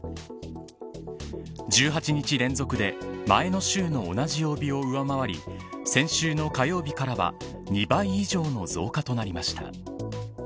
１８日連続で前の週の同じ曜日を上回り先週の火曜日からは２倍以上の増加となりました。